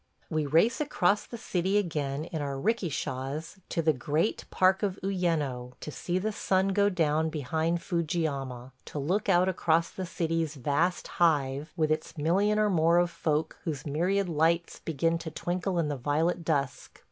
We race across the city again in our 'rikishas to the great park of Uyeno, to see the sun go down behind Fujiyama ... to look out across the city's vast hive with its million or more of folk whose myriad lights begin to twinkle in the violet dusk.